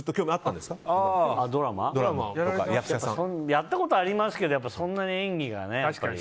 やったことありますけどそんなに演技がね。